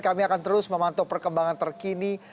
kami akan terus memantau perkembangan terkini